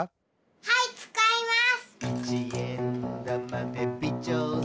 はいつかいます。